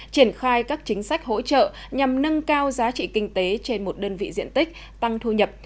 triển khai các chính sách hỗ trợ nhằm nâng cao giá trị kinh tế trên một đơn vị diện tích tăng thu nhập